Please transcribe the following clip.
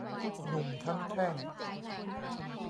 หนุ่มทั้งแท่ง